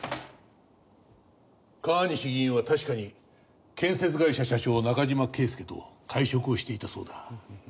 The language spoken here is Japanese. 川西議員は確かに建設会社社長中島圭介と会食をしていたそうだ。